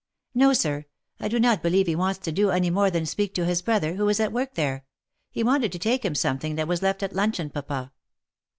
" No, sir, I do not believe he wants to do any more than speak to his brother, who is at work there — he wanted to take him something that was left at luncheon, papa."